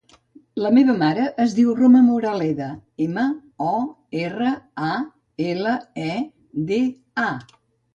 La meva mare es diu Roma Moraleda: ema, o, erra, a, ela, e, de, a.